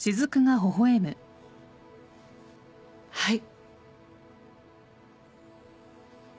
はい。